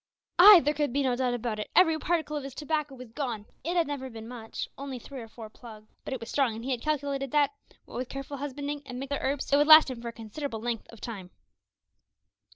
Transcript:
Ay, there could be no doubt about it; every particle of his tobacco was gone! It had never been much, only three or four plugs; but it was strong, and he had calculated that, what with careful husbanding, and mixing it with other herbs, it would last him for a considerable length of time.